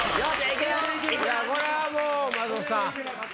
これはもう松本さん。